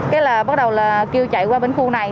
cái là bắt đầu là kêu chạy qua bên khu này